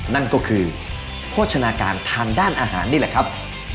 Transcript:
นั่นก็คือโภชนาการทางด้านอาหารนี่แหละครับ